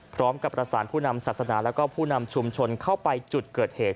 พร้อมกับประสานผู้นำศาสนาและผู้นำชุมชนเข้าไปจุดเกิดเหตุ